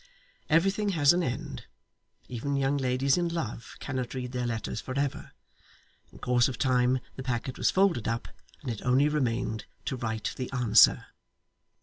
Everything has an end. Even young ladies in love cannot read their letters for ever. In course of time the packet was folded up, and it only remained to write the answer.